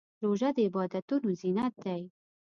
روژه د عبادتونو زینت دی.